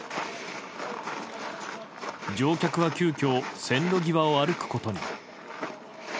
乗客は急きょ線路際を歩くことに。